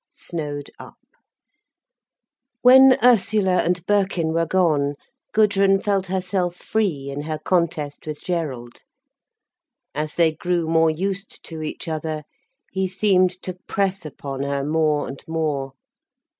SNOWED UP When Ursula and Birkin were gone, Gudrun felt herself free in her contest with Gerald. As they grew more used to each other, he seemed to press upon her more and more.